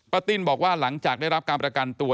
ติ้นบอกว่าหลังจากได้รับการประกันตัว